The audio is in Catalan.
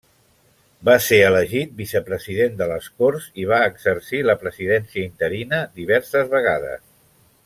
Va ser elegit vicepresident de les Corts i va exercir la presidència interina diverses vegades.